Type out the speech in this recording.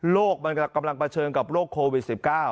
โรคมันกำลังประเชิญกับโรคโควิด๑๙